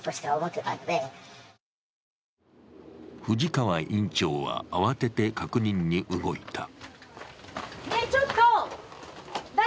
藤川院長は慌てて確認に動いた。